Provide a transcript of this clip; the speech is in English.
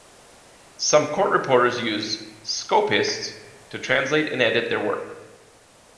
Some court reporters use "scopists" to translate and edit their work.